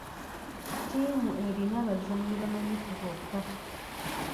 Ttiimu erina bazannyi bamanyifu bokka.